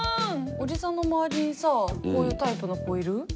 おじさんの周りにさこういうタイプの子いる？